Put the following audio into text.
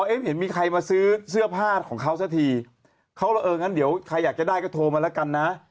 ไม่เห็นมีใครมาซื้อเสื้อผ้าของเขาสักทีเขาว่าเอองั้นเดี๋ยวใครอยากจะได้ก็โทรมาแล้วกันนะ